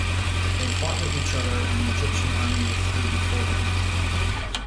They fought with each other and the Egyptian army withdrew before him.